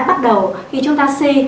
bắt đầu khi chúng ta si